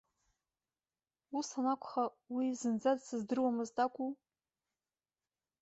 Ус анакәха, уи зынӡа дсыздыруамызт акәуу?